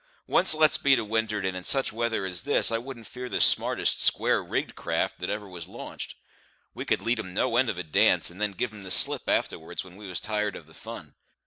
Once let's be to wind'ard, and in such weather as this I wouldn't fear the smartest square rigged craft that ever was launched. We could lead 'em no end of a dance, and then give 'em the slip a'terwards when we was tired of the fun.